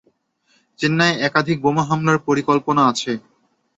চেন্নাইয়ে একাধিক বোমা হামলার পরিকল্পনা আছে।